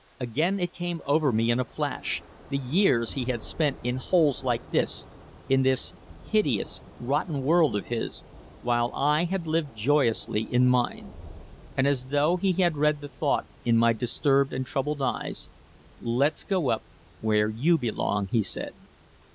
Again it came over me in a flash, the years he had spent in holes like this, in this hideous, rotten world of his, while I had lived joyously in mine. And as though he had read the thought in my disturbed and troubled eyes, "Let's go up where you belong," he said.